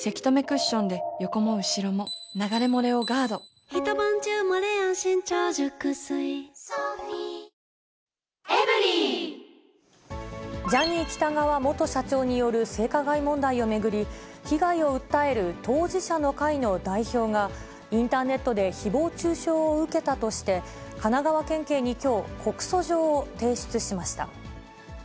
それぞれの悩みにサントリー健康専門茶ジャニー喜多川元社長による性加害問題を巡り、被害を訴える当事者の会の代表が、インターネットでひぼう中傷を受けたとして、神奈川県警にきょう、告訴状を提出しました。